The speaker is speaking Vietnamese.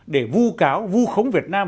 để vu cáo vu khống việt nam